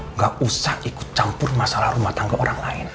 nggak usah ikut campur masalah rumah tangga orang lain